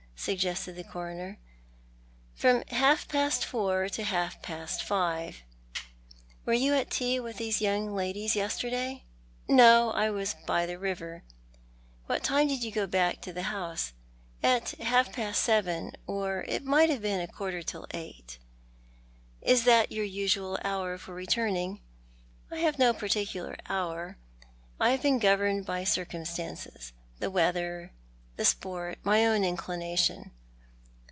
suggested the Coroner. " From half past four to half past five." " Were you at tea with these young ladies yesterday ?"" No ; I was by the river." " What time did you go back to the house ?"" At half past seven, or it may have been a quarter to eight." " Is that your usual hour for returning ?" "I have no particular hour. I have been governed by circumstances— the weather, the sport, my own inclination."